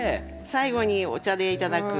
最後にお茶で頂く。